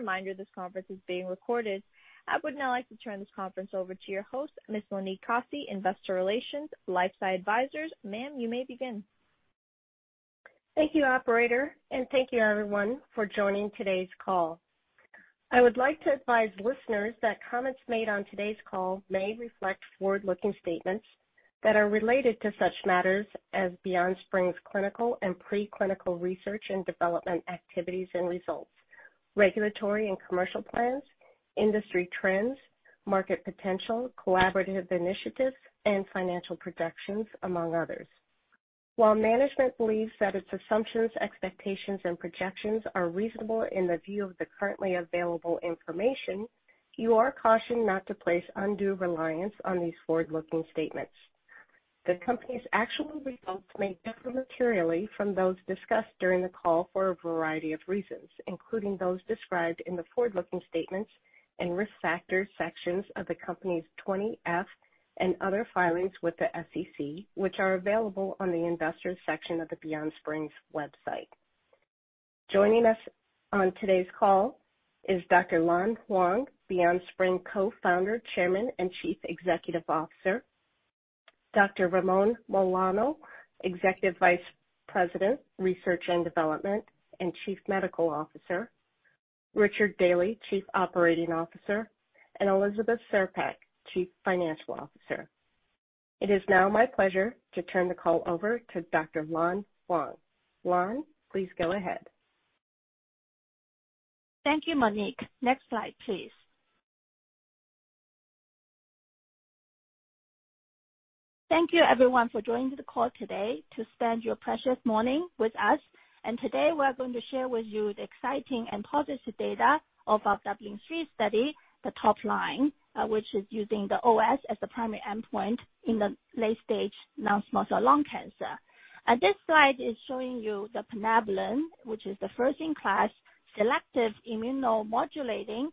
As a reminder, this conference is being recorded. I would now like to turn this conference over to your host, Ms. Monique Kosse, Investor Relations, LifeSci Advisors. Ma'am, you may begin. Thank you, operator. Thank you everyone for joining today's call. I would like to advise listeners that comments made on today's call may reflect forward-looking statements that are related to such matters as BeyondSpring's clinical and pre-clinical research and development activities and results, regulatory and commercial plans, industry trends, market potential, collaborative initiatives, and financial projections, among others. While management believes that its assumptions, expectations, and projections are reasonable in the view of the currently available information, you are cautioned not to place undue reliance on these forward-looking statements. The company's actual results may differ materially from those discussed during the call for a variety of reasons, including those described in the forward-looking statements and risk factor sections of the company's 20-F and other filings with the SEC, which are available on the investors section of the BeyondSpring's website. Joining us on today's call is Dr. Lan Huang, BeyondSpring Co-founder, Chairman, and Chief Executive Officer, Dr. Ramon Mohanlal, Executive Vice President, Research and Development, and Chief Medical Officer, Richard Daly, Chief Operating Officer, and Elizabeth Czerepak, Chief Financial Officer. It is now my pleasure to turn the call over to Dr. Lan Huang. Lan, please go ahead. Thank you, Monique. Next slide, please. Thank you everyone for joining the call today to spend your precious morning with us. Today we're going to share with you the exciting and positive data of our DUBLIN-3 study, the Topline, which is using the OS as the primary endpoint in the late stage non-small cell lung cancer. This slide is showing you the plinabulin, which is the first-in-class selective immunomodulating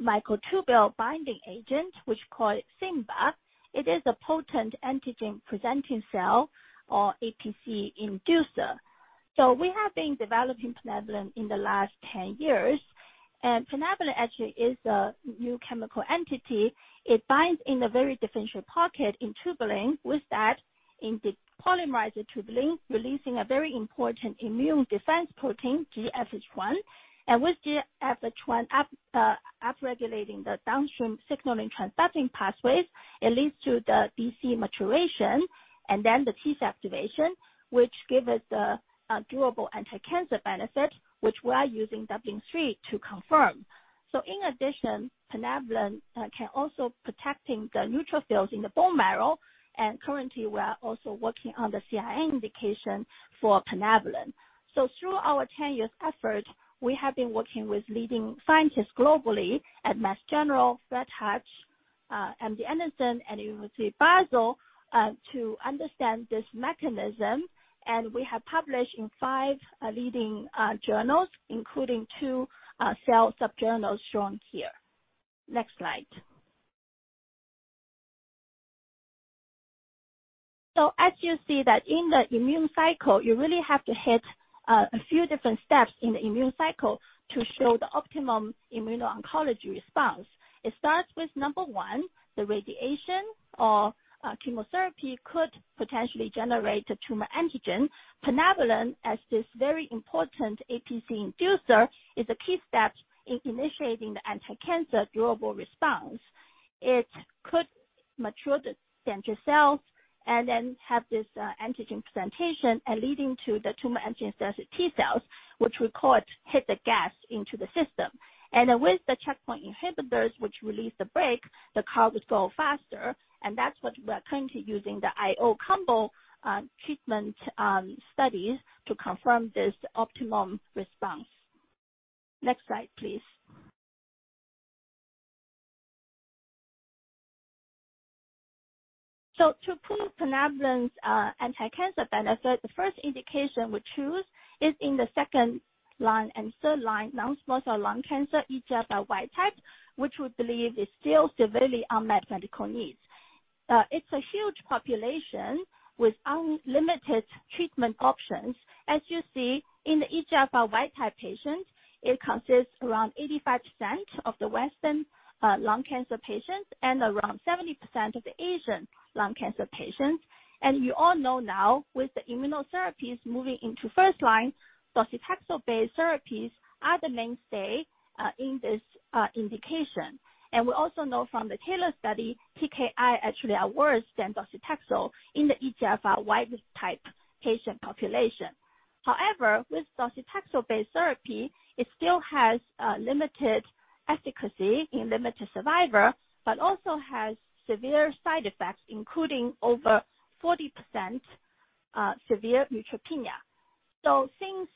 microtubule binding agent, which is called SIMBA. It is a potent antigen-presenting cell, or APC inducer. We have been developing plinabulin in the last 10 years. Plinabulin actually is a new chemical entity. It binds in a very differential pocket in tubulin, with that it depolymerize the tubulin, releasing a very important immune defense protein, GEF-H1. With GEF-H1 upregulating the downstream signaling transduction pathways, it leads to the DC maturation and then the T-cell activation, which give us the durable anticancer benefit, which we are using DUBLIN-3 to confirm. In addition, plinabulin can also protecting the neutrophils in the bone marrow and currently we are also working on the CIN indication for plinabulin. Through our 10 years effort, we have been working with leading scientists globally at Mass General, Fred Hutch, MD Anderson, and University of Basel, to understand this mechanism, and we have published in five leading journals, including two cell subjournals shown here. Next slide. As you see that in the immune cycle, you really have to hit a few different steps in the immune cycle to show the optimum immuno-oncology response. It starts with number one, the radiation or chemotherapy could potentially generate a tumor antigen. Plinabulin, as this very important APC inducer, is a key step in initiating the anticancer durable response. It could mature the central cell and then have this antigen presentation and leading to the tumor antigen-specific T cells, which we call hit the gas into the system. With the checkpoint inhibitors, which release the brake, the car would go faster, and that's what we're currently using the IO combo treatment studies to confirm this optimum response. Next slide, please. To prove plinabulin's anticancer benefit, the first indication we choose is in the second line and third line non-small cell lung cancer, EGFR wild type, which we believe is still severely unmet medical needs. It's a huge population with limited treatment options. As you see in the EGFR wild type patient, it consists around 85% of the Western lung cancer patients and around 70% of the Asian lung cancer patients. You all know now with the immunotherapies moving into first line, docetaxel-based therapies are the mainstay in this indication. We also know from the TAILOR study, TKI actually are worse than docetaxel in the EGFR wild type patient population. However, with docetaxel-based therapy, it still has limited efficacy in limited survivor, but also has severe side effects, including over 40% severe neutropenia. Since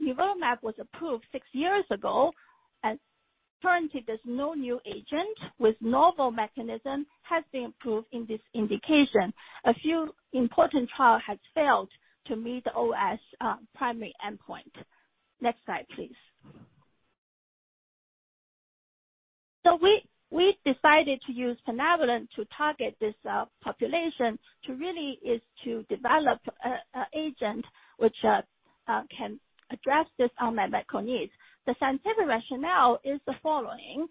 nivolumab was approved six years ago, and currently there's no new agent with novel mechanism has been approved in this indication. A few important trial has failed to meet the OS primary endpoint. Next slide, please. We decided to use plinabulin to target this population to really is to develop an agent which can address this unmet medical need. The scientific rationale is the following.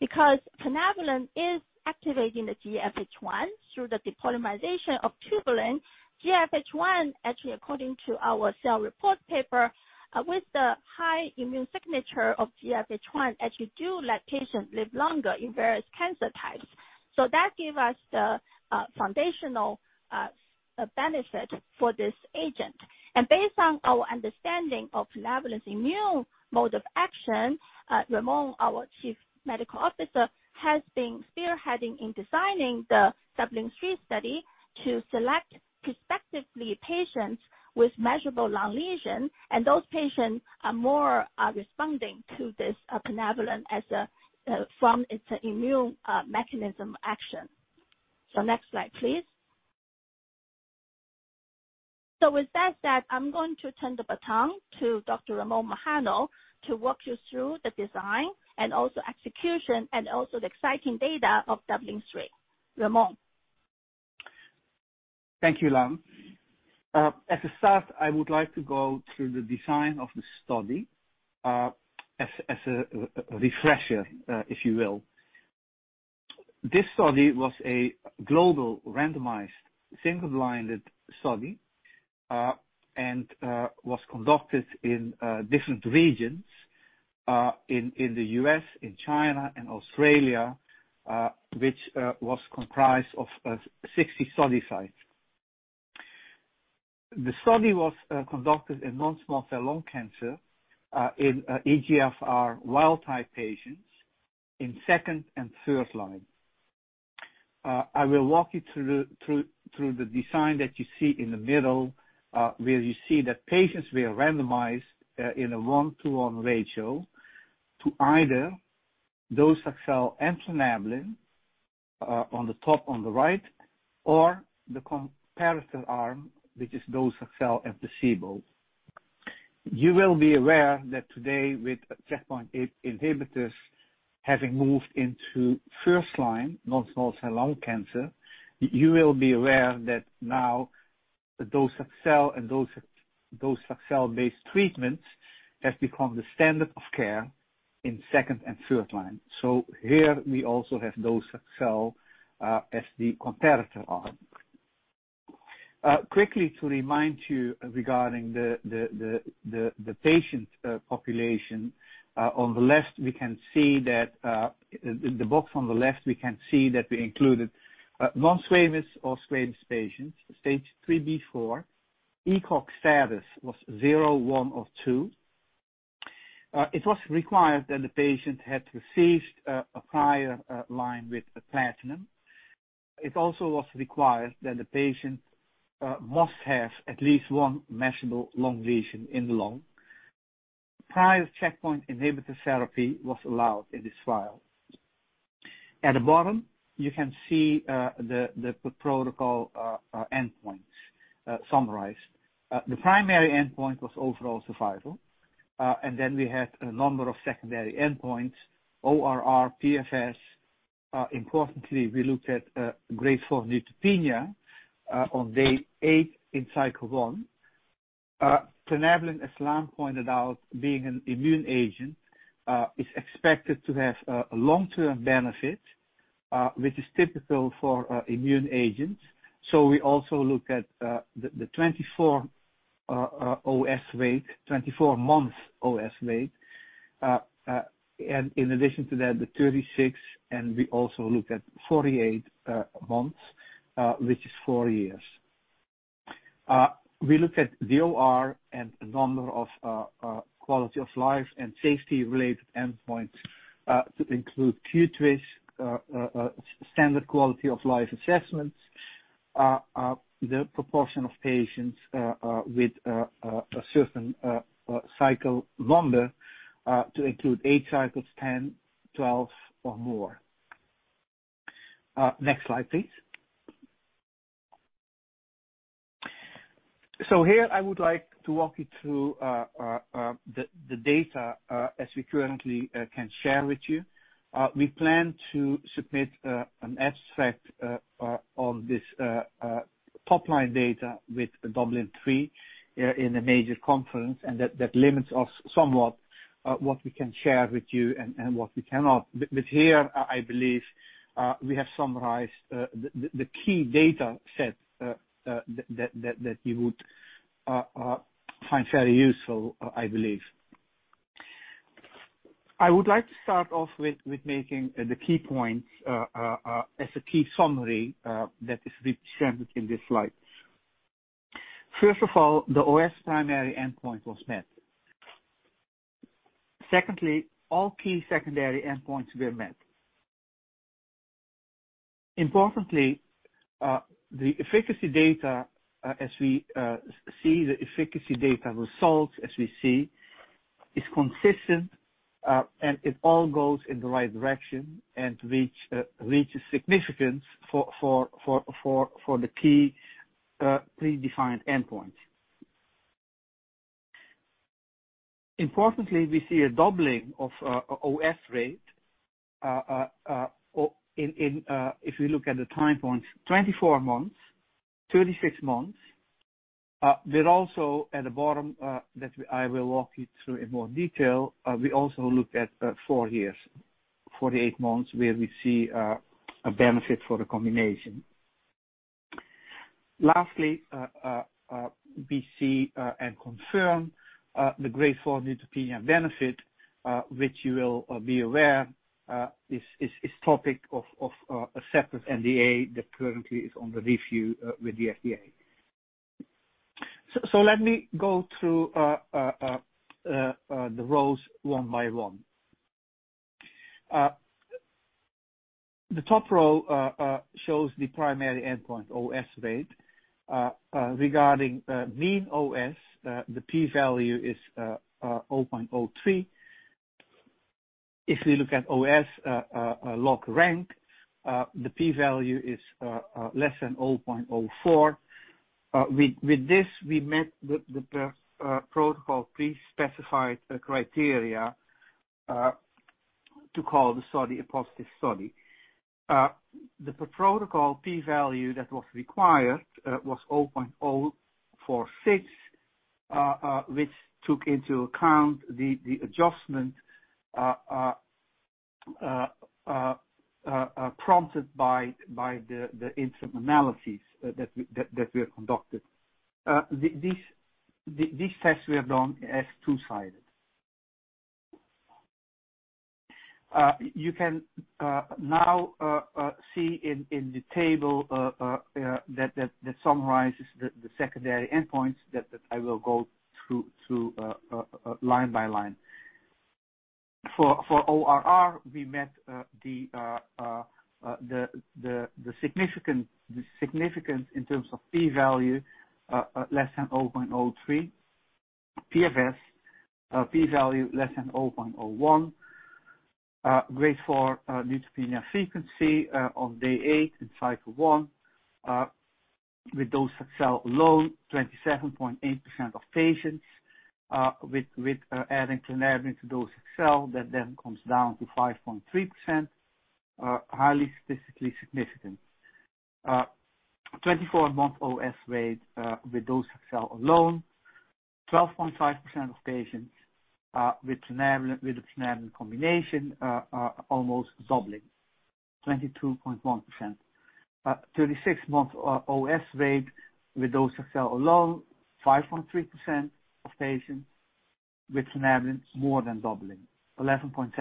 Because plinabulin is activating the GEF-H1 through the depolymerization of tubulin, GEF-H1, actually according to our cell report paper, with the high immune signature of GEF-H1, actually do let patients live longer in various cancer types. That give us the foundational benefit for this agent. Based on our understanding of plinabulin's immune mode of action, Ramon, our chief medical officer, has been spearheading in designing the DUBLIN-3 study to select prospectively patients with measurable lung lesion, and those patients are more responding to this plinabulin from its immune mechanism action. Next slide, please. With that said, I'm going to turn the baton to Dr. Ramon Mohanlal to walk you through the design and also execution and also the exciting data of DUBLIN-3. Ramon. Thank you, Lan. At the start, I would like to go through the design of the study, as a refresher, if you will. This study was a global randomized single-blinded study, was conducted in different regions, in the U.S., in China, and Australia, which was comprised of 60 study sites. The study was conducted in non-small cell lung cancer, in EGFR wild-type patients in second and third line. I will walk you through the design that you see in the middle, where you see that patients were randomized in a 1:1 ratio to either docetaxel and plinabulin, on the top on the right, or the comparison arm, which is docetaxel and placebo. You will be aware that today with checkpoint inhibitors having moved into first-line non-small cell lung cancer, you will be aware that now the docetaxel and docetaxel-based treatments have become the standard of care in second and third line. Here we also have docetaxel as the comparator arm. Quickly to remind you regarding the patient population. On the left, we can see that, in the box on the left, we can see that we included non-squamous or squamous patients, stage III-B, IV, ECOG status was zero, one, or two. It was required that the patient had received a prior line with platinum. It also was required that the patient must have at least one measurable lung lesion in the lung. Prior checkpoint inhibitor therapy was allowed in this trial. At the bottom, you can see the protocol endpoints summarized. The primary endpoint was overall survival. We had a number of secondary endpoints, ORR, PFS. Importantly, we looked at Grade 4 neutropenia on day 8 in cycle 1. Plinabulin, as Lan pointed out, being an immune agent, is expected to have a long-term benefit, which is typical for immune agents. We also look at the 24 OS rate, 24-month OS rate. In addition to that, the 36, and we also looked at 48 months, which is four years. We looked at DOR and a number of quality of life and safety-related endpoints, to include Q-TWiST, standard quality of life assessments, the proportion of patients with a certain cycle number to include eight cycles, 10, 12, or more. Next slide, please. Here I would like to walk you through the data as we currently can share with you. We plan to submit an abstract of this top-line data with DUBLIN-3 in a major conference. That limits us somewhat what we can share with you and what we cannot. Here, I believe, we have summarized the key data set that you would find very useful, I believe. I would like to start off with making the key points as a key summary that is shared in the slides. First of all, the OS primary endpoint was met. Secondly, all key secondary endpoints were met. Importantly, the efficacy data as we see, the efficacy data results as we see is consistent. It all goes in the right direction and reaches significance for the key predefined endpoint. Importantly, we see a doubling of OS rate if we look at the time points 24 months, 36 months. There also, at the bottom, that I will walk you through in more detail, we also look at four years, 48 months, where we see a benefit for the combination. Lastly, we see and confirm the Grade 4 neutropenia benefit, which you will be aware is topic of a separate NDA that currently is under review with the FDA. Let me go through the rows one by one. The top row shows the primary endpoint OS rate. Regarding mean OS, the P-value is 0.03. If we look at OS log rank, the P-value is less than 0.04. With this, we met the protocol pre-specified criteria to call the study a positive study. The protocol P-value that was required was 0.046, which took into account the adjustment prompted by the interim analyses that we have conducted. These tests were done as two-sided. You can now see in the table that summarizes the secondary endpoints that I will go through line by line. For ORR, we met the significance in terms of P-value less than 0.03. PFS, P-value less than 0.01. Grade 4 neutropenia frequency on day 8 in cycle 1 with docetaxel alone, 27.8% of patients. Adding plinabulin to docetaxel, that then comes down to 5.3%, highly statistically significant. 24-month OS rate with docetaxel alone, 12.5% of patients. The plinabulin combination, almost doubling, 22.1%. 36-month OS rate with docetaxel alone, 5.3% of patients. Plinabulin, more than doubling, 11.7%.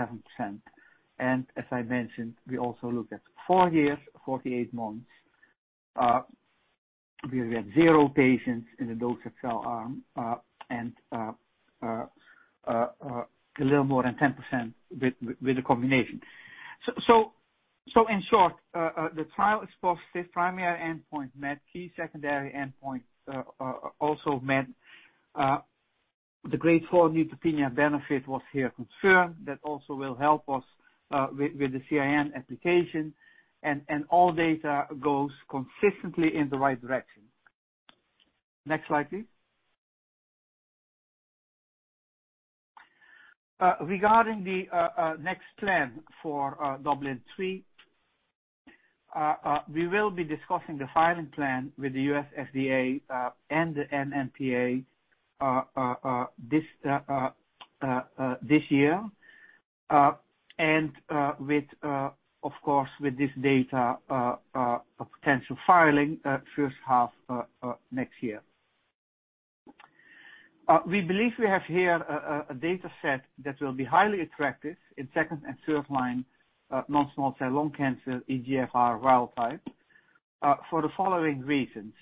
As I mentioned, we also look at four years, 48 months, where we have zero patients in the docetaxel arm, and a little more than 10% with the combination. In short, the trial's primary endpoint met key secondary endpoint, also met the Grade 4 neutropenia benefit was here confirmed. That also will help us with the CIN application. All data goes consistently in the right direction. Next slide, please. Regarding the next plan for DUBLIN-3, we will be discussing the filing plan with the U.S. FDA, the NMPA this year. Of course, with this data, a potential filing first half next year. We believe we have here a data set that will be highly attractive in second and third-line non-small cell lung cancer EGFR wild type for the following reasons.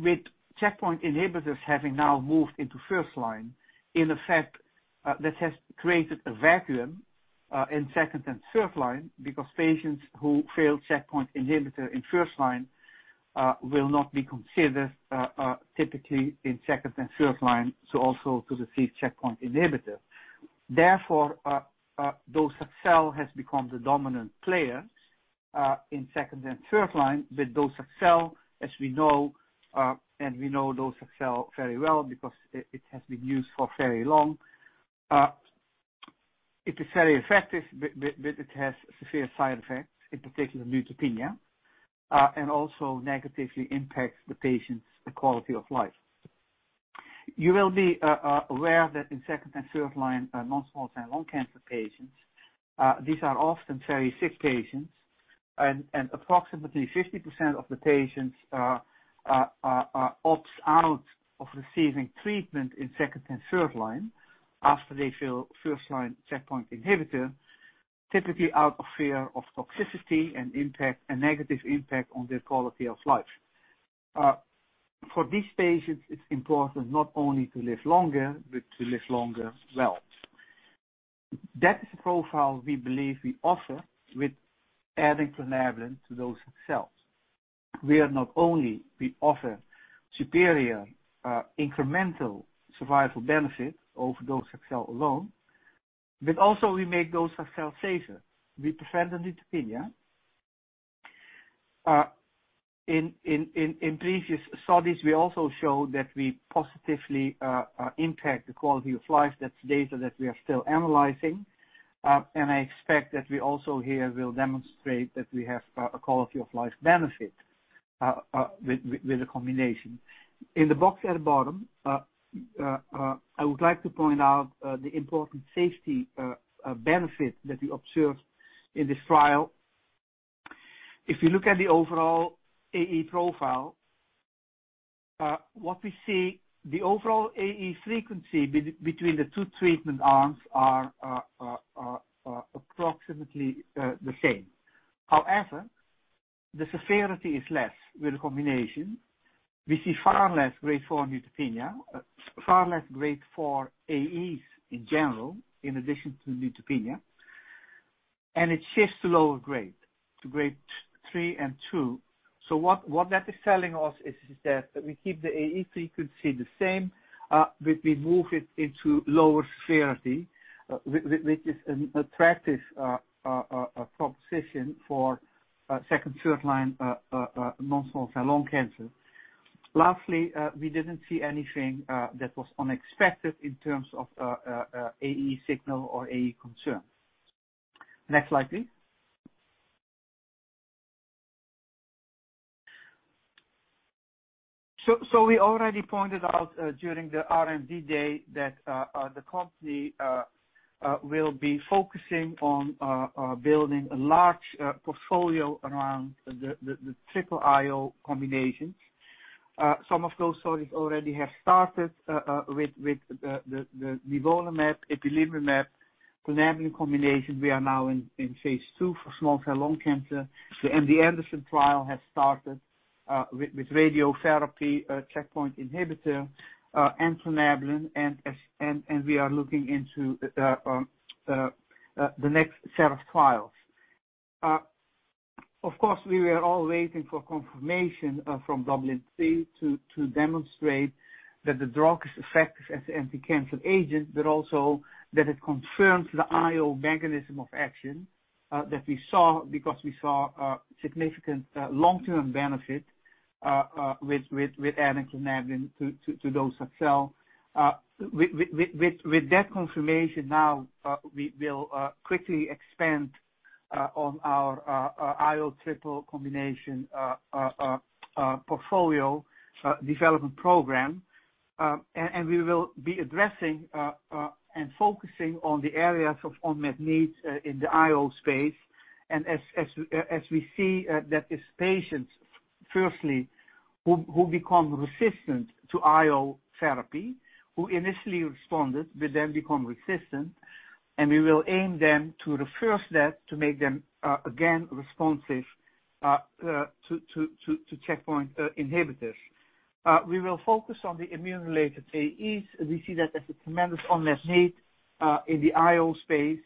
With checkpoint inhibitors having now moved into first-line, in effect, that has created a vacuum in second and third-line because patients who fail checkpoint inhibitor in first-line will not be considered typically in second and third-line, so also to receive checkpoint inhibitor. Therefore, docetaxel has become the dominant player in second and third-line, with docetaxel, as we know, and we know docetaxel very well because it has been used for very long. It is very effective, but it has severe side effects, in particular neutropenia, and also negatively impacts the patient's quality of life. You will be aware that in second and third-line non-small cell lung cancer patients, these are often very sick patients, and approximately 50% of the patients are opt out of receiving treatment in second and third-line after they fail first-line checkpoint inhibitor, typically out of fear of toxicity and negative impact on their quality of life. For these patients, it's important not only to live longer but to live longer well. That is the profile we believe we offer with adding plinabulin to docetaxel, where not only we offer superior incremental survival benefit over docetaxel alone, but also we make docetaxel safer. We prevent the neutropenia. In previous studies, we also showed that we positively impact the quality of life. That's data that we are still analyzing. I expect that we also here will demonstrate that we have a quality of life benefit with the combination. In the box at the bottom, I would like to point out the important safety benefit that we observed in this trial. If you look at the overall AE profile, what we see, the overall AE frequency between the two treatment arms are approximately the same. However, the severity is less with the combination. We see far less Grade 4 neutropenia, far less Grade 4 AEs in general, in addition to neutropenia. It shifts to lower grade, to Grades 3 and 2. What that is telling us is that we keep the AE frequency the same, but we move it into lower severity, which is an attractive proposition for second, third-line non-small cell lung cancer. Lastly, we didn't see anything that was unexpected in terms of AE signal or AE concern. Next slide, please. We already pointed out during the R&D day that the company will be focusing on building a large portfolio around the triple IO combinations. Some of those studies already have started with the nivolumab, ipilimumab, plinabulin combination. We are now in phase II for small cell lung cancer. The MD Anderson trial has started with radiotherapy checkpoint inhibitor and plinabulin, and we are looking into the next set of trials. Of course, we were all waiting for confirmation from DUBLIN-3 to demonstrate that the drug is effective as an anti-cancer agent, but also that it confirms the IO mechanism of action that we saw because we saw a significant long-term benefit with adding plinabulin to docetaxel. With that confirmation now, we will quickly expand on our IO triple combination portfolio development program. We will be addressing and focusing on the areas of unmet needs in the IO space. As we see that these patients, firstly, who become resistant to IO therapy, who initially responded but then become resistant, and we will aim then to reverse that to make them again responsive to checkpoint inhibitors. We will focus on the immune-related AEs. We see that as a tremendous unmet need in the IO space.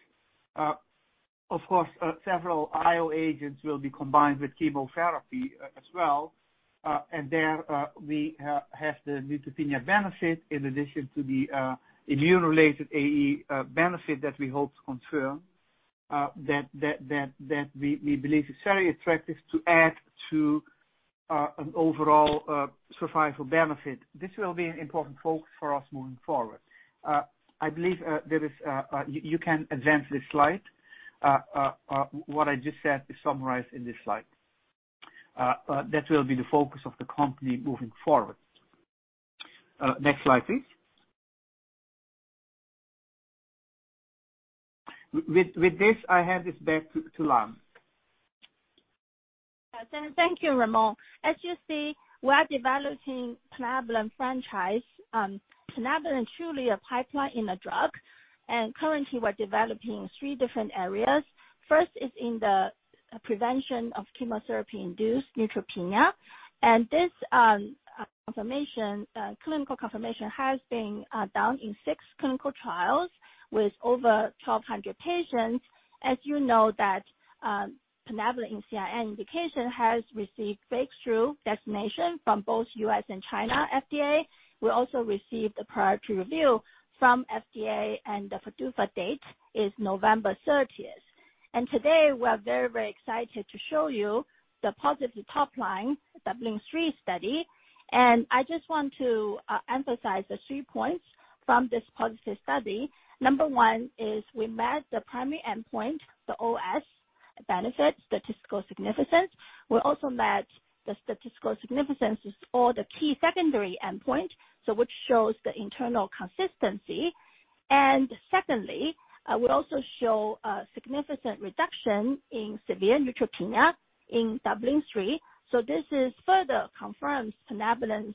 Of course, several IO agents will be combined with chemotherapy as well. There we have the neutropenia benefit in addition to the immune-related AE benefit that we hope to confirm, that we believe is very attractive to add to an overall survival benefit. This will be an important focus for us moving forward. I believe you can advance this slide. What I just said is summarized in this slide. That will be the focus of the company moving forward. Next slide, please. With this, I hand this back to Lan. Thank you, Ramon. As you see, we are developing plinabulin franchise. Plinabulin is truly a pipeline in a drug. Currently we're developing three different areas. First is in the prevention of chemotherapy-induced neutropenia. This clinical confirmation has been done in six clinical trials with over 1,200 patients. As you know, plinabulin CIN indication has received breakthrough designation from both U.S. and China NMPA. We also received priority review from FDA, and the PDUFA date is November 30th. Today we are very excited to show you the positive topline DUBLIN-3 study. I just want to emphasize the three points from this positive study. Number one is we met the primary endpoint, the OS benefit statistical significance. We also met the statistical significance for the key secondary endpoint, so which shows the internal consistency. Secondly, we also show a significant reduction in severe neutropenia in DUBLIN-3. This is further confirms plinabulin's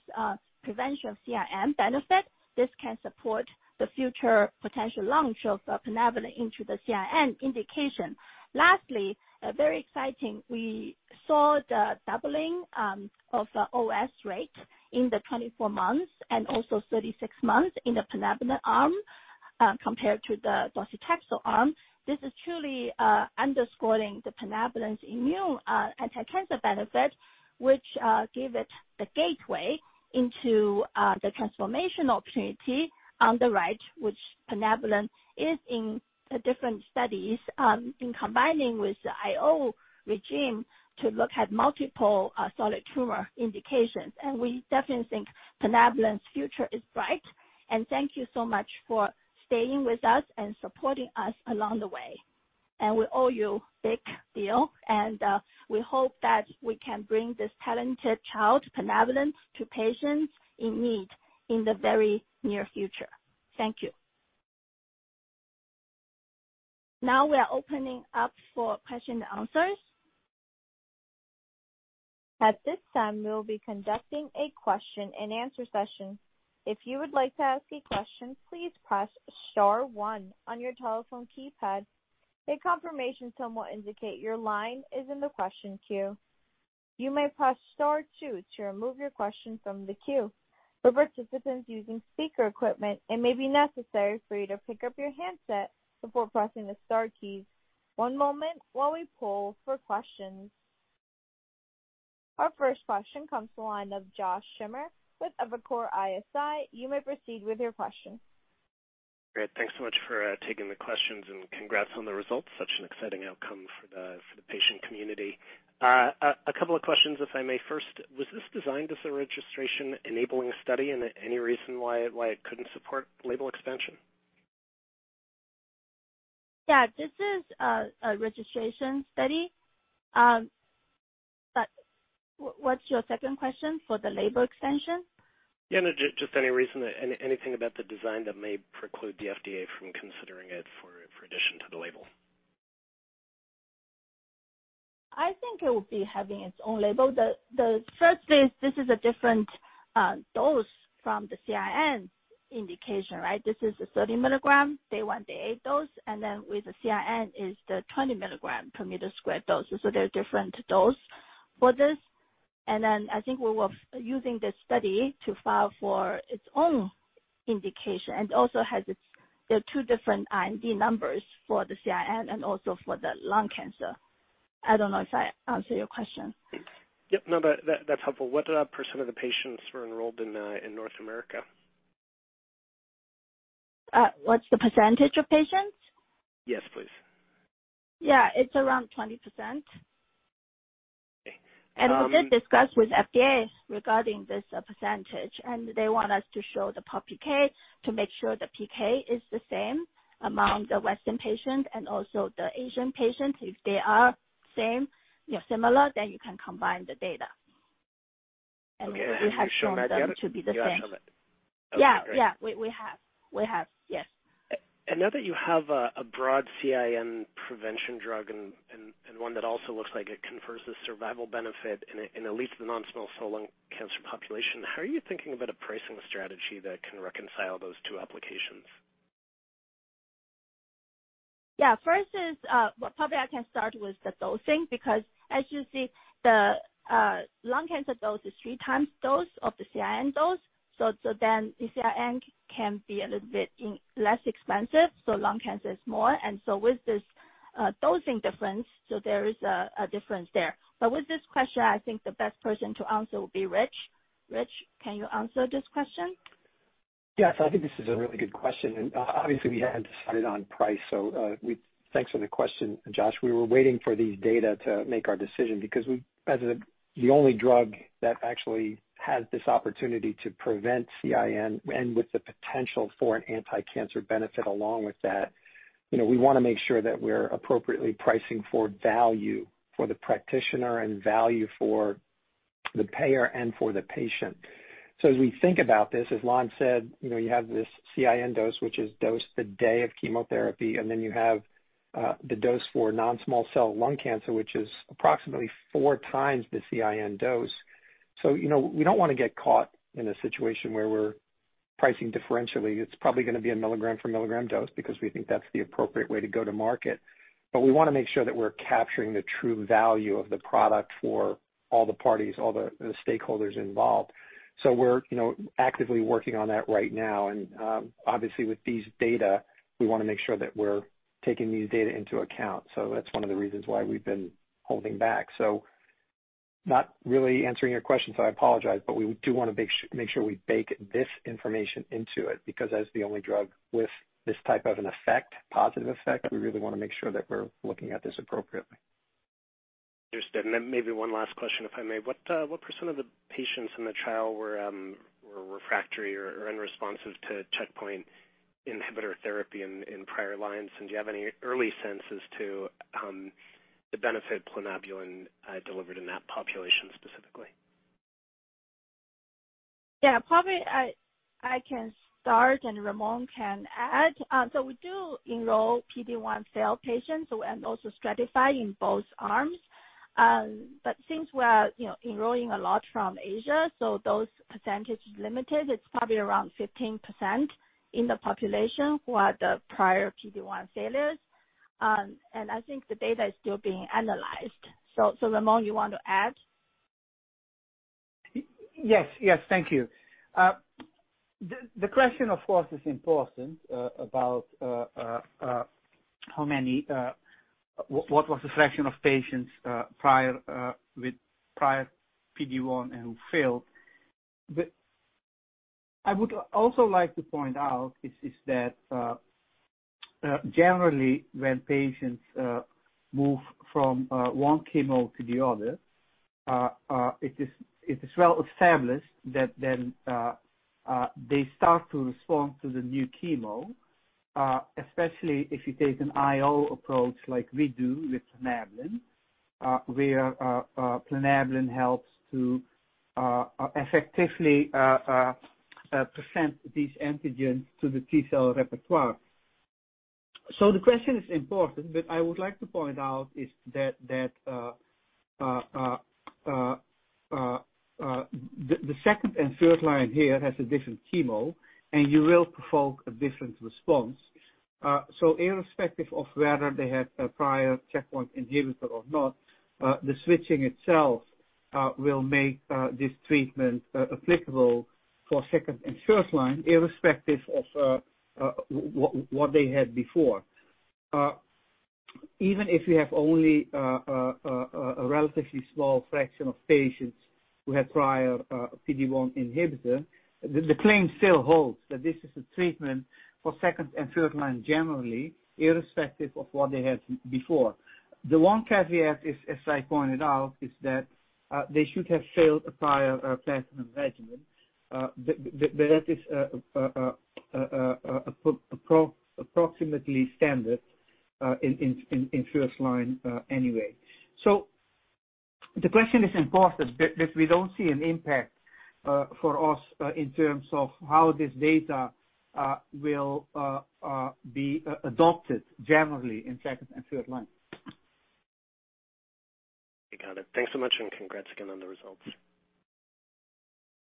prevention of CIN benefit. This can support the future potential launch of plinabulin into the CIN indication. Lastly, very exciting, we saw the doubling of the OS rate in the 24 months and also 36 months in the plinabulin arm compared to the docetaxel arm. This is truly underscoring the plinabulin's immune anti-cancer benefit. Which gave it the gateway into the transformation opportunity on the right, which plinabulin is in the different studies in combining with the IO regime to look at multiple solid tumor indications. We definitely think plinabulin's future is bright, and thank you so much for staying with us and supporting us along the way. We owe you big deal, and we hope that we can bring this talented child, plinabulin, to patients in need in the very near future. Thank you. Now we are opening up for question and answers. At this time, we will be conducting a question and answer session. If you would like to a question, please press star one on your telephone keypad. A confirmation tone will indicate your line into the question queue. You may press star two to remove your question from the queue. For participants using speaker equipment, it may be necessary for you to pick up your handset before pressing the star keys. One moment while we poll for questions. Our first question comes to the line of Josh Schimmer with Evercore ISI. You may proceed with your question. Great. Thanks so much for taking the questions. Congrats on the results. Such an exciting outcome for the patient community. A couple of questions, if I may. First, was this designed as a registration enabling study? Any reason why it couldn't support label extension? Yeah, this is a registration study. What's your second question for the label extension? Yeah, just any reason or anything about the design that may preclude the FDA from considering it for addition to the label? I think it will be having its own label. The first is this is a different dose from the CIN indication, right? This is a 30 mg, day 1, day 8 dose, then with the CIN is the 20 mg per meter square dose. They're different dose for this. Then I think we were using this study to file for its own indication and also has its two different IND numbers for the CIN and also for the lung cancer. I don't know if I answered your question. Yep, no, that's helpful. What percent of the patients were enrolled in North America? What's the percentage of patients? Yes, please. Yeah, it's around 20%. Okay. We did discuss with FDA regarding this percentage, and they want us to show the PopPK to make sure the PK is the same among the Western patients and also the Asian patients. If they are same, similar, then you can combine the data. We have shown them to be the same. Okay. You've shown that yet? Yeah. Okay, great. Yeah. We have. Yes. Now that you have a broad CIN prevention drug and one that also looks like it confers a survival benefit in at least the non-small cell lung cancer population, how are you thinking about a pricing strategy that can reconcile those two applications? Yeah. First is, probably I can start with the dosing, because as you see, the lung cancer dose is three times dose of the CIN dose. The CIN can be a little bit less expensive, so lung cancer is more. With this dosing difference, so there is a difference there. With this question, I think the best person to answer would be Rich. Rich, can you answer this question? Yes, I think this is a really good question, and obviously, we hadn't decided on price, so thanks for the question, Josh. We were waiting for these data to make our decision because as the only drug that actually has this opportunity to prevent CIN and with the potential for an anti-cancer benefit along with that, we want to make sure that we're appropriately pricing for value for the practitioner and value for the payer and for the patient. As we think about this, as Lan said, you have this CIN dose, which is dosed the day of chemotherapy, and then you have the dose for non-small cell lung cancer, which is approximately four times the CIN dose. We don't want to get caught in a situation where we're pricing differentially. It's probably going to be a milligram for milligram dose because we think that's the appropriate way to go to market. We want to make sure that we're capturing the true value of the product for all the parties, all the stakeholders involved. We're actively working on that right now. Obviously, with these data, we want to make sure that we're taking these data into account. That's one of the reasons why we've been holding back. Not really answering your question, so I apologize, but we do want to make sure we bake this information into it, because as the only drug with this type of an effect, positive effect, we really want to make sure that we're looking at this appropriately. Understood. Then maybe one last question, if I may. What percent of the patients in the trial were refractory or unresponsive to checkpoint inhibitor therapy in prior lines? Do you have any early sense as to the benefit plinabulin delivered in that population specifically? Yeah. Probably I can start, and Ramon can add. We do enroll PD-1 failed patients and also stratify in both arms. Since we are enrolling a lot from Asia, so those percentage is limited. It's probably around 15% in the population who are the prior PD-1 failures. I think the data is still being analyzed. Ramon, you want to add? Yes. Thank you. The question, of course, is important, about what was the fraction of patients with prior PD-1 and who failed. I would also like to point out is that, generally, when patients move from one chemo to the other, it is well-established that then they start to respond to the new chemo, especially if you take an IO approach like we do with plinabulin, where plinabulin helps to effectively present these antigens to the T cell repertoire. The question is important, but I would like to point out is that the second and third line here has a different chemo, and you will provoke a different response. Irrespective of whether they had a prior checkpoint inhibitor or not, the switching itself will make this treatment applicable for second and first line, irrespective of what they had before. Even if you have only a relatively small fraction of patients who had prior PD-1 inhibitor, the claim still holds that this is a treatment for second and third line generally, irrespective of what they had before. The one caveat is, as I pointed out, is that they should have failed a prior platinum regimen. That is approximately standard in first line anyway. The question is important, but we don't see an impact for us in terms of how this data will be adopted generally in second and third line. Okay, got it. Thanks so much, and congrats again on the results.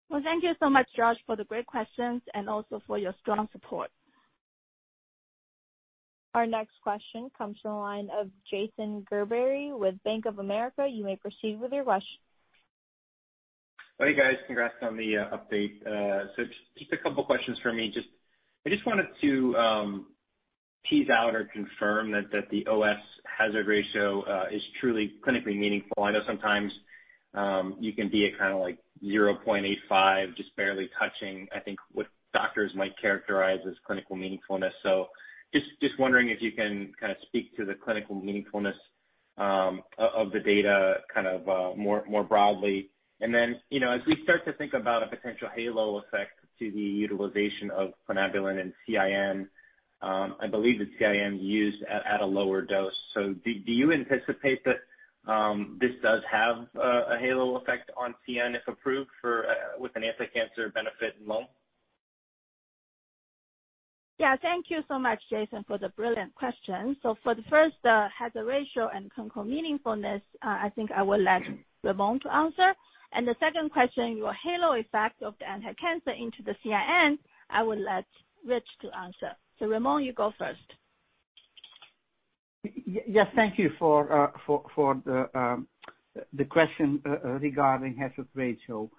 Well, thank you so much, Josh, for the great questions and also for your strong support. Our next question comes from the line of Jason Gerberry with Bank of America. You may proceed with your question. Hey, guys. Congrats on the update. Just a couple of questions from me. I just wanted to tease out or confirm that the OS hazard ratio is truly clinically meaningful. I know sometimes you can be at kind of 0.85x, just barely touching, I think, what doctors might characterize as clinical meaningfulness. Just wondering if you can speak to the clinical meaningfulness of the data more broadly. As we start to think about a potential halo effect to the utilization of plinabulin and CIN, I believe that CIN used at a lower dose. Do you anticipate that this does have a halo effect on CIN if approved with an anti-cancer benefit in lung? Thank you so much, Jason, for the brilliant question. For the first hazard ratio and clinical meaningfulness, I think I will let Ramon to answer. The second question, your halo effect of the anti-cancer into the CIN, I will let Rich to answer. Ramon, you go first. Yes. Thank you for the question regarding hazard ratio.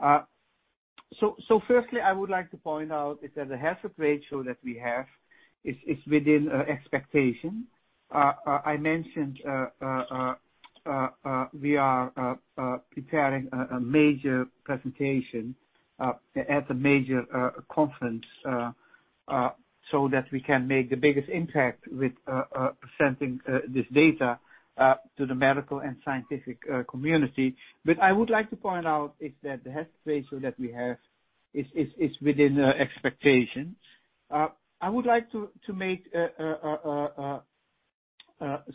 Firstly, I would like to point out is that the hazard ratio that we have is within expectation. I mentioned we are preparing a major presentation at the major conference so that we can make the biggest impact with presenting this data to the medical and scientific community. I would like to point out is that the hazard ratio that we have is within expectations. I would like to make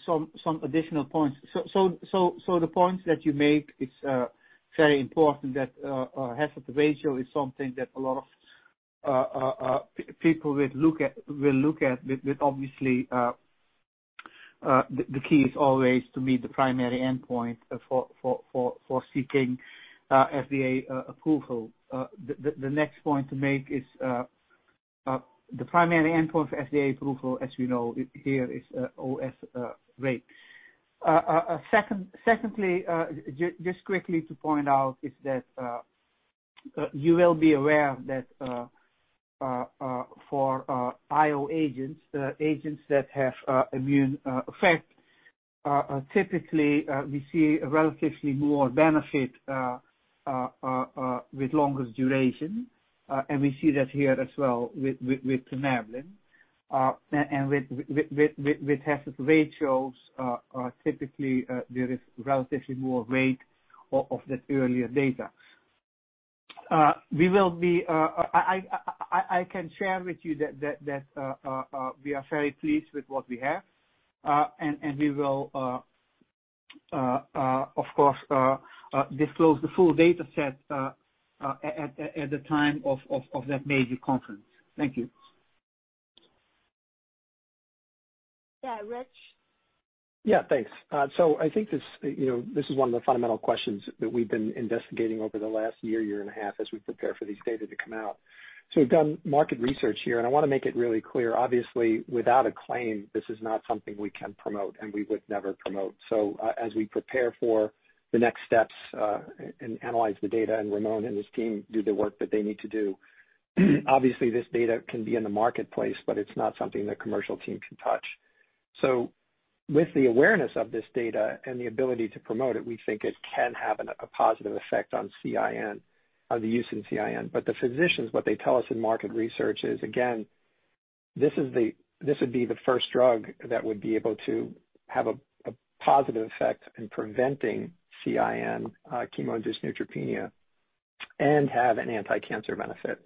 some additional points. The points that you make, it's very important that hazard ratio is something that a lot of people will look at, but obviously, the key is always to meet the primary endpoint for seeking FDA approval. The next point to make is the primary endpoint for FDA approval, as you know, here is OS rate. Secondly, just quickly to point out is that you will be aware that for IO agents, the agents that have immune effect, typically, we see a relatively more benefit with longer duration, and we see that here as well with plinabulin. With hazard ratios, typically, there is relatively more weight of that earlier data. I can share with you that we are very pleased with what we have, and we will, of course, disclose the full data set at the time of that major conference. Thank you. Yeah. Rich? Yeah, thanks. I think this is one of the fundamental questions that we've been investigating over the last year and a half as we prepare for these data to come out. We've done market research here, and I want to make it really clear, obviously, without a claim, this is not something we can promote, and we would never promote. As we prepare for the next steps and analyze the data, and Ramon and his team do the work that they need to do. Obviously, this data can be in the marketplace, but it's not something the commercial team can touch. With the awareness of this data and the ability to promote it, we think it can have a positive effect on the use in CIN. The physicians, what they tell us in market research is, again, this would be the first drug that would be able to have a positive effect in preventing CIN, chemo-induced neutropenia, and have an anti-cancer benefit,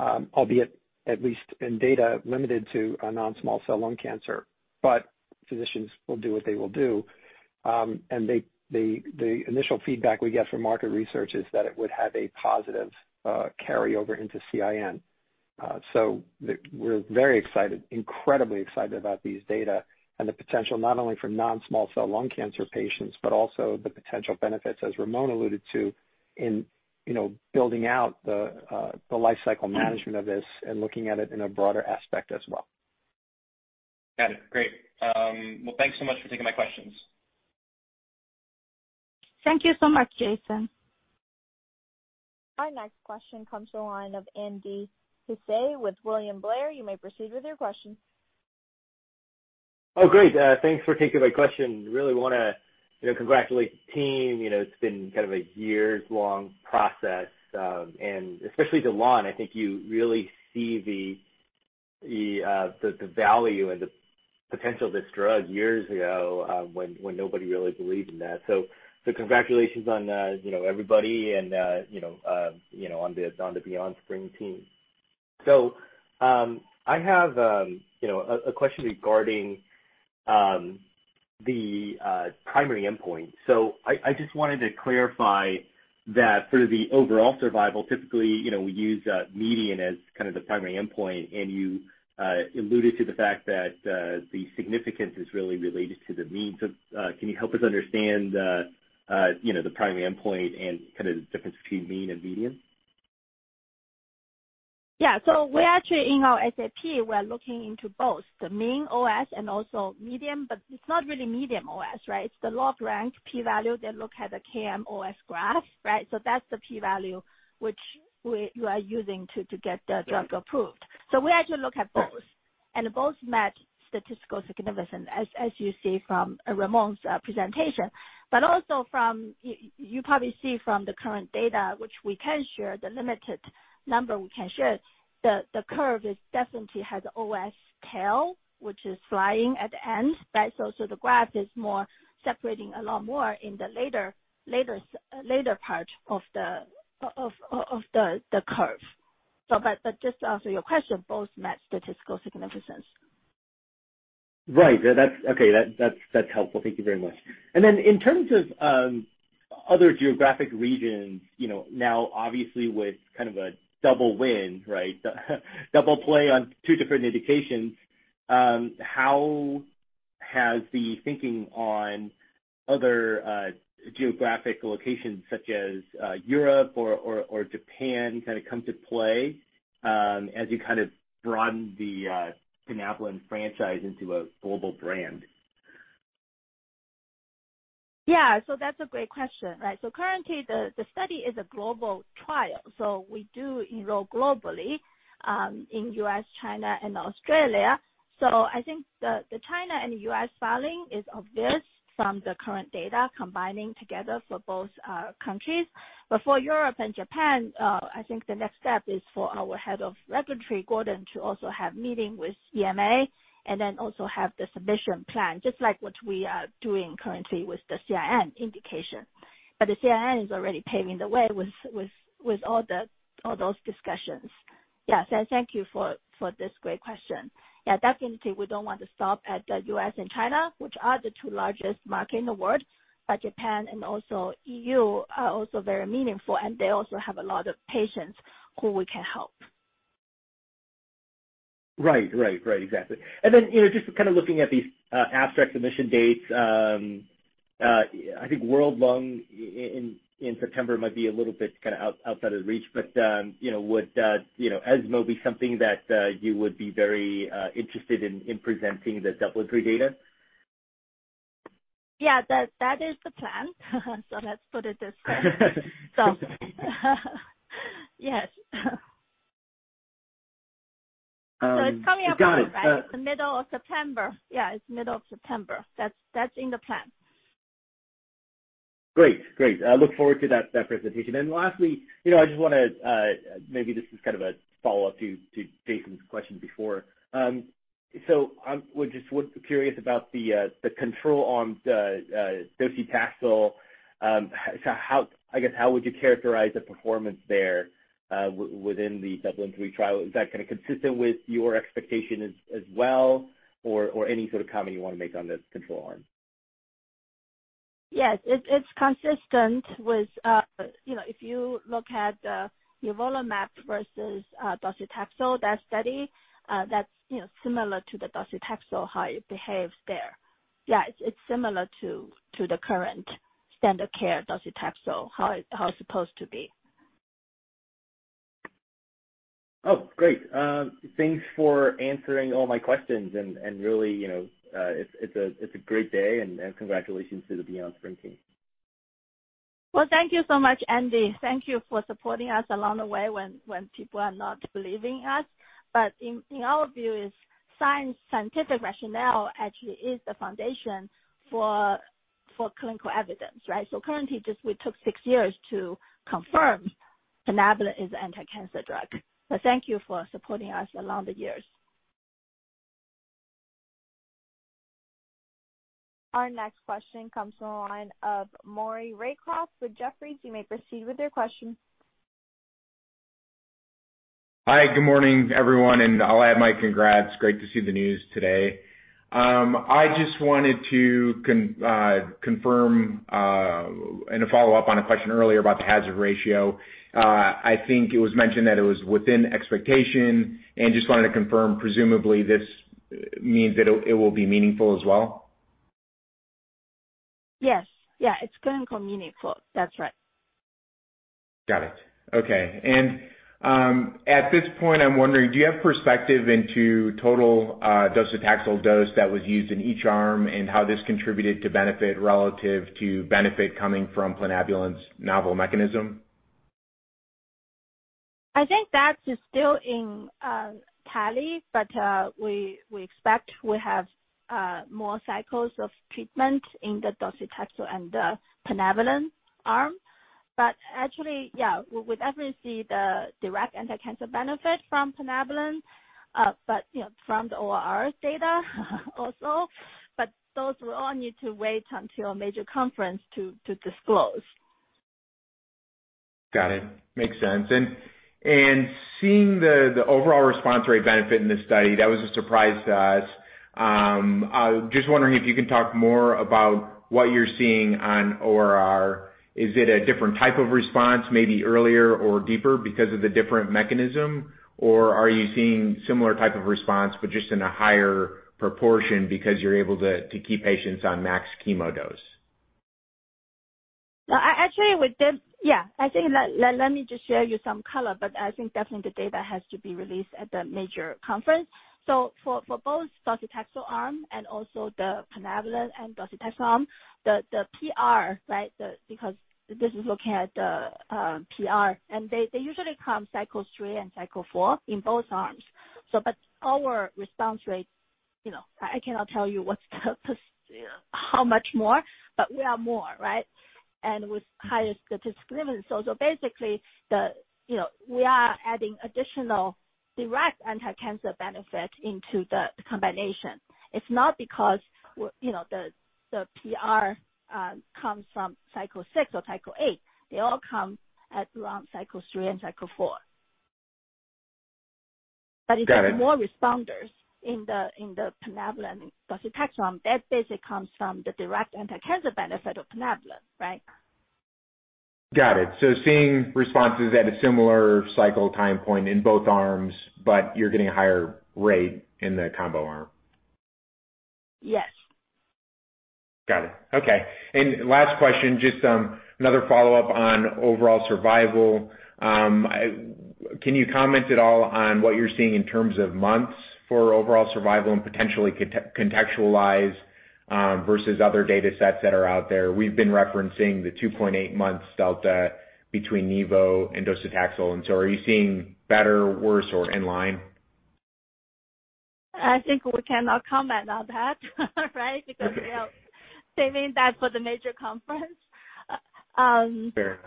albeit at least in data limited to non-small cell lung cancer. Physicians will do what they will do. The initial feedback we get from market research is that it would have a positive carryover into CIN. We're very excited, incredibly excited about these data and the potential not only for non-small cell lung cancer patients, but also the potential benefits, as Ramon alluded to, in building out the lifecycle management of this and looking at it in a broader aspect as well. Got it. Great. Thanks so much for taking my questions. Thank you so much, Jason. Our next question comes to the line of Andy Hsieh with William Blair. You may proceed with your question. Great. Thanks for taking my question. Really want to congratulate the team. It's been kind of a years-long process, and especially to Lan, I think you really see the value and the potential of this drug years ago, when nobody really believed in that. Congratulations on everybody and on the BeyondSpring team. I have a question regarding the primary endpoint. I just wanted to clarify that for the overall survival, typically, we use median as kind of the primary endpoint, and you alluded to the fact that the significance is really related to the mean. Can you help us understand the primary endpoint and kind of the difference between mean and median? We actually, in our SAP, we're looking into both the mean OS and also median, but it's not really median OS, right? It's the log-rank P value that look at the KM OS graph, right? That's the P value which you are using to get the drug approved. We actually look at both, and both met statistical significance, as you see from Ramon's presentation. Also from, you probably see from the current data, which we can share, the limited number we can share, the curve definitely has OS tail, which is flying at the end, right? The graph is separating a lot more in the later part of the curve. Just to answer your question, both met statistical significance. Right. Okay. That's helpful. Thank you very much. In terms of other geographic regions, now obviously with kind of a double win, right? Double play on two different indications, how has the thinking on other geographic locations such as Europe or Japan kind of come to play as you kind of broaden the plinabulin franchise into a global brand? Yeah. That's a great question. Currently, the study is a global trial. We do enroll globally, in U.S., China, and Australia. I think the China and U.S. filing is obvious from the current data combining together for both countries. For Europe and Japan, I think the next step is for our head of regulatory, Gordon, to also have meeting with EMA and then also have the submission plan, just like what we are doing currently with the CIN indication. The CIN is already paving the way with all those discussions. Yeah. Thank you for this great question. Yeah, definitely, we don't want to stop at the U.S. and China, which are the two largest market in the world, but Japan and also E.U. are also very meaningful, and they also have a lot of patients who we can help. Right. Exactly. Just kind of looking at these abstract submission dates, I think World Lung in September might be a little bit kind of out of reach, but would ESMO be something that you would be very interested in presenting the DUBLIN-3 data? Yeah. That is the plan. Let's put it this way. Yes. It's coming up, right? You got it. The middle of September. Yeah. It's middle of September. That's in the plan. Great. I look forward to that presentation. Lastly, maybe this is kind of a follow-up to Jason's question before. I just was curious about the control on docetaxel. I guess, how would you characterize the performance there within the DUBLIN-3 trial? Is that kind of consistent with your expectation as well, or any sort of comment you want to make on the control arm? Yes, it's consistent with, if you look at nivolumab versus docetaxel, that study, that's similar to the docetaxel, how it behaves there. Yeah. It's similar to the current standard of care, docetaxel, how it's supposed to be. Great. Thanks for answering all my questions and really, it's a great day and congratulations to the BeyondSpring team. Well, thank you so much, Andy. Thank you for supporting us along the way when people are not believing us. In our view, scientific rationale actually is the foundation for clinical evidence, right? Currently, we took six years to confirm plinabulin is an anticancer drug. Thank you for supporting us along the years. Our next question comes from the line of Maury Raycroft with Jefferies. You may proceed with your question. Hi, good morning, everyone. I'll add my congrats. Great to see the news today. I just wanted to confirm and follow up on a question earlier about the hazard ratio. I think it was mentioned that it was within expectation and just wanted to confirm, presumably this means that it will be meaningful as well. Yes. Yeah, it's clinical meaningful. That's right. Got it. Okay. At this point, I'm wondering, do you have perspective into total docetaxel dose that was used in each arm and how this contributed to benefit relative to benefit coming from plinabulin's novel mechanism? I think that is still in tally, but we expect we have more cycles of treatment in the docetaxel and the plinabulin arm. Actually, yeah, we definitely see the direct anticancer benefit from plinabulin, from the ORR data also. Those will all need to wait until a major conference to disclose. Got it. Makes sense. Seeing the overall response rate benefit in this study, that was a surprise to us. Just wondering if you can talk more about what you're seeing on ORR. Is it a different type of response, maybe earlier or deeper because of the different mechanism? Are you seeing similar type of response, but just in a higher proportion because you're able to keep patients on max chemo dose? Yeah, let me just share you some color, but I think definitely the data has to be released at the major conference. For both docetaxel arm and also the plinabulin and docetaxel arm, the PR, right, because this is looking at the PR, and they usually come cycle 3 and cycle 4 in both arms. Our response rate, I cannot tell you how much more, but we are more, right? With higher statistical relevance. Basically, we are adding additional direct anticancer benefit into the combination. It's not because the PR comes from cycle 6 or cycle 8. They all come around cycle 3 and cycle 4. Got it. If there's more responders in the plinabulin docetaxel arm, that basically comes from the direct anticancer benefit of plinabulin, right? Got it. Seeing responses at a similar cycle time point in both arms, but you're getting a higher rate in the combo arm. Yes. Got it. Okay. Last question, just another follow-up on overall survival. Can you comment at all on what you're seeing in terms of months for overall survival and potentially contextualize versus other data sets that are out there? We've been referencing the 2.8 months delta between nivo and docetaxel, are you seeing better, worse, or in line? I think we cannot comment on that, right? Okay. We are saving that for the major conference. Fair.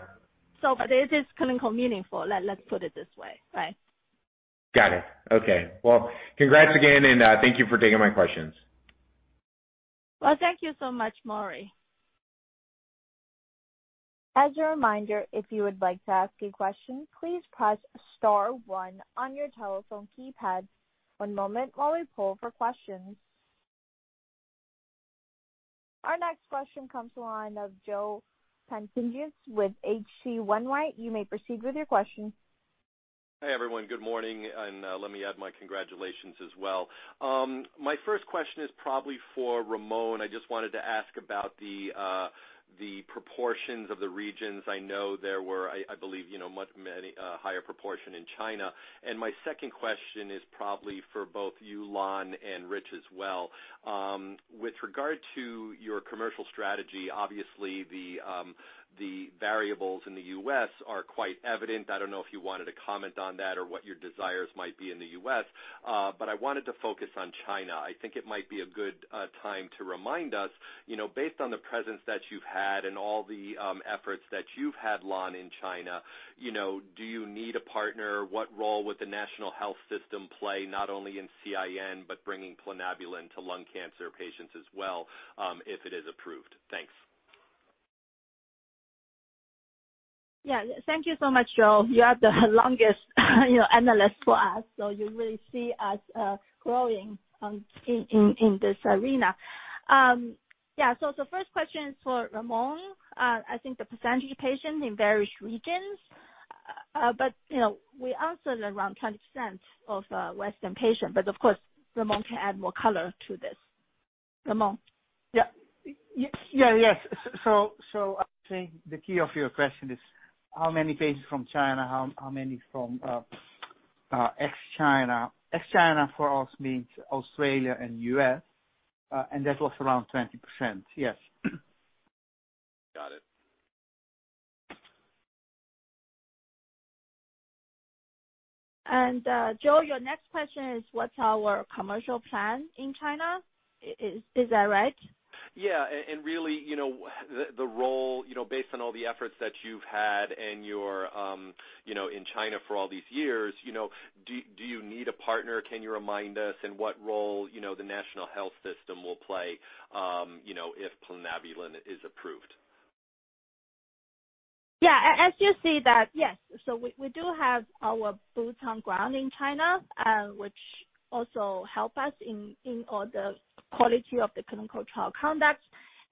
It is clinically meaningful. Let's put it this way, right? Got it. Okay. Well, congrats again, and thank you for taking my questions. Well, thank you so much, Maury. As a reminder, if you would like to ask a question, please press star one on your telephone keypad. One moment while we poll for questions. Our next question comes to the line of Joe Pantginis with H.C. Wainwright. You may proceed with your question. Hi, everyone. Good morning. Let me add my congratulations as well. My first question is probably for Ramon. I just wanted to ask about the proportions of the regions. I know there were, I believe, much higher proportion in China. My second question is probably for both you, Lan, and Rich as well. With regard to your commercial strategy, obviously the variables in the U.S. are quite evident. I don't know if you wanted to comment on that or what your desires might be in the U.S., but I wanted to focus on China. I think it might be a good time to remind us based on the presence that you've had and all the efforts that you've had, Lan, in China, you know, do you need a partner? What role would the national health system play, not only in CIN but bringing plinabulin to lung cancer patients as well, if it is approved? Thanks. Yeah. Thank you so much, Joe. You are the longest analyst for us, so you really see us growing in this arena. Yeah. The first question is for Ramon. I think the percentage of patients in various regions. We answered around 20% of Western patients, but of course, Ramon can add more color to this. Ramon? Yeah. Yes. I think the key of your question is how many patients from China, how many from Ex China. Ex China for us means Australia and U.S., and that was around 20%. Yes. Got it. Joe, your next question is what's our commercial plan in China? Is that right? Yeah. Really, the role, based on all the efforts that you've had and you're in China for all these years, do you need a partner? Can you remind us in what role the national health system will play if plinabulin is approved? As you say that, yes. We do have our boots on ground in China, which also help us in all the quality of the clinical trial conduct.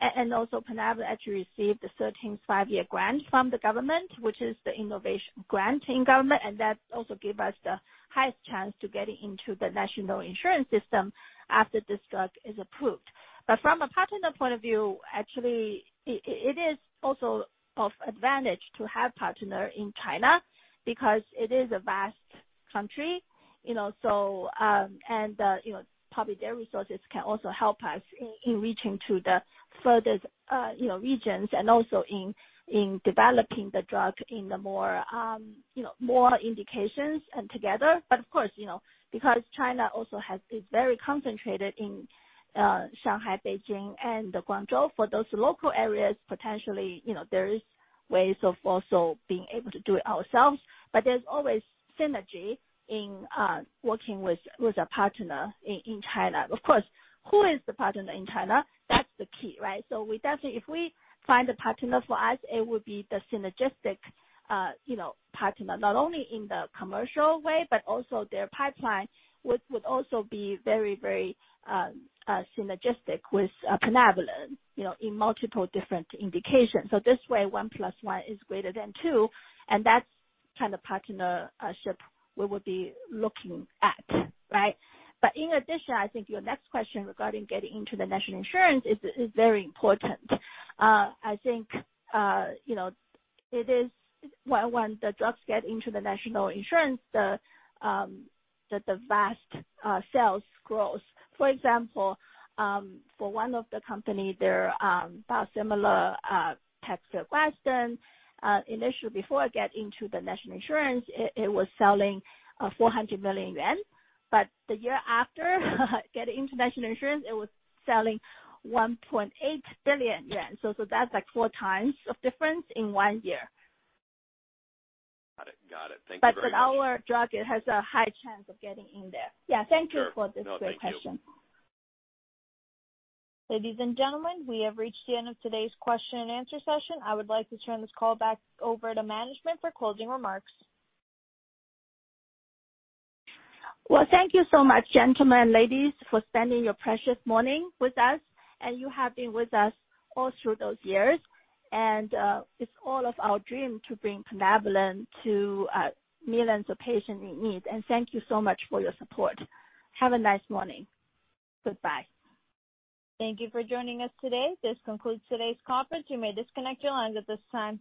And also plinabulin actually received a 13th five-year grant from the government, which is the innovation grant in government, and that also give us the highest chance to get into the national insurance system after this drug is approved. From a partner point of view, actually, it is also of advantage to have partner in China because it is a vast country. Probably their resources can also help us in reaching to the furthest regions and also in developing the drug in more indications and together. Of course, because China also is very concentrated in Shanghai, Beijing, and Guangzhou. For those local areas, potentially, there is ways of also being able to do it ourselves. There's always synergy in working with a partner in China. Of course, who is the partner in China? That's the key, right? We definitely, if we find the partner for us, it would be the synergistic partner, not only in the commercial way, but also their pipeline would also be very synergistic with plinabulin in multiple different indications. This way, one plus one is greater than two, and that's kind of partnership we would be looking at, right? In addition, I think your next question regarding getting into the national insurance is very important. I think when the drugs get into the national insurance, the vast sales growth. For example, for one of the company, their biosimilar [TECFIDERA], initially before it get into the national insurance, it was selling 400 million yuan. The year after getting into national insurance, it was selling 1.8 billion yuan. That's like four times of difference in one year. Got it. Thank you very much. With our drug, it has a high chance of getting in there. Yeah, thank you for this great question. No, thank you. Ladies and gentlemen, we have reached the end of today's question and answer session. I would like to turn this call back over to management for closing remarks. Well, thank you so much, gentlemen, ladies, for spending your precious morning with us, and you have been with us all through those years. It's all of our dream to bring plinabulin to millions of patients in need. Thank you so much for your support. Have a nice morning. Goodbye. Thank you for joining us today. This concludes today's conference. You may disconnect your lines at this time.